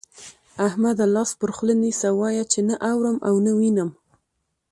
احمده! لاس پر خوله نيسه، وايه چې نه اورم او نه وينم.